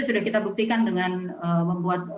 sudah kita buktikan dengan membuat